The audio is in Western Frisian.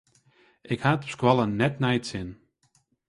Ik ha it op skoalle net nei it sin.